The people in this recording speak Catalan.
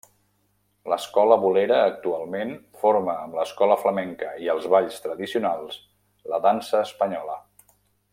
L'escola bolera actualment forma, amb l'escola flamenca i els balls tradicionals, la dansa espanyola.